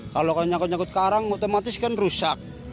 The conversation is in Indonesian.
kalau nyangkut nyangkut karang otomatis kan rusak